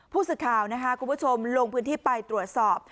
ผู้สื่อข่าวนะคะคุณผู้ชมลงพื้นที่ไปตรวจสอบ